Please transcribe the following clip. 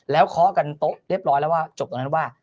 แล้วเคาะกันโต๊ะเรียบร้อยแล้วว่าจบตรงนั้นว่า